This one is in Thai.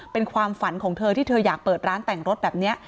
เป็นความฝันของเธอที่เธออยากเปิดร้านแต่งรถแบบนี้